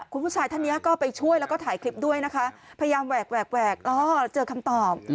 คุณผู้ชายท่านนี้ก็ไปช่วยแล้วก็ถ่ายคลิปด้วยนะคะพยายามแหวกแหวกแหวกเจอคำตอบ